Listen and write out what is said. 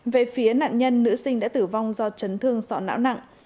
về phía nạn nhân nữ sinh đã tử vong do chấn thương sọ não nặng